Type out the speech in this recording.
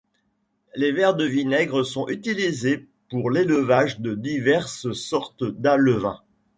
Les vers de vinaigre sont utilisés pour l'élevage de diverses sortes d'alevin.